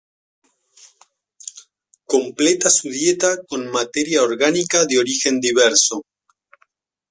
Completa su dieta con materia orgánica de origen diverso.